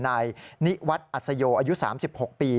นายนิวัฒน์อัศโยอายุ๓๖ปี